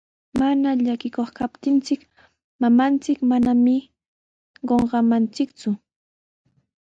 Mana llakikuq kaptinchik, mamanchik manami qunqamanchikku.